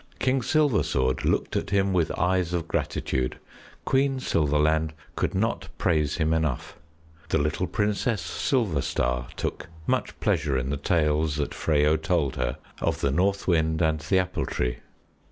King Silversword looked at him with eyes of gratitude; Queen Silverland could not praise him enough. The Little Princess Silverstar took much pleasure in the tales that Freyo told her of the North Wind and the Apple Tree.